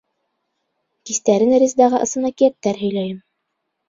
Кистәрен Резедаға ысын әкиәттәр һөйләйем.